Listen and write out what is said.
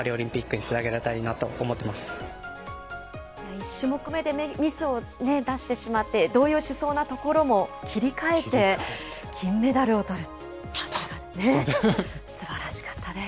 １種目目でミスを出してしまって、動揺しそうなところも、切り替えて金メダルをとる、さすが。素晴らしかったです。